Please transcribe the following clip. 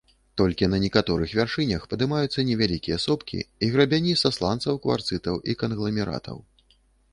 Толькі на некаторых вяршынях падымаюцца невялікія сопкі і грабяні са сланцаў, кварцытаў і кангламератаў.